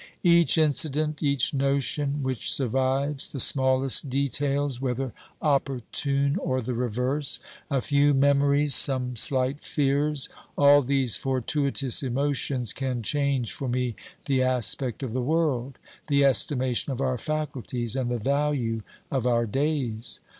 Each incident, each notion which survives, the smallest details, whether opportune or the reverse, a few memories, some slight fears, all these fortuitous emotions, can change for me the aspect of the world, the estimation of our faculties, and the value of our days.